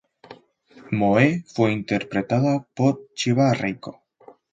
Moe fue interpretada por Chiba Reiko.